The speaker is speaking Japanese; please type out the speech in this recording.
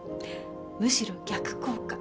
むしろ逆効果。